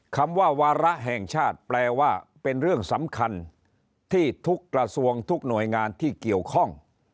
คำว่าวาระแห่งชาติแปลว่าเป็นเรื่องสำคัญที่ทุกกระทรวงทุกหน่วยงานที่เกี่ยวข้อง